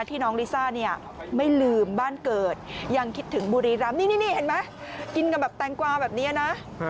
น้องลิซ่าเนี่ยไม่ลืมบ้านเกิดยังคิดถึงบุรีรำนี่เห็นไหมกินกันแบบแตงกวาแบบนี้นะ